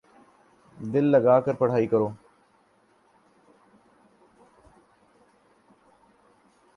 دل لگا کر پڑھائی کرو